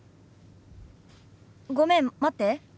ごめん待って。